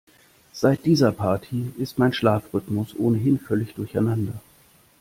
Seit dieser Party ist mein Schlafrhythmus ohnehin völlig durcheinander.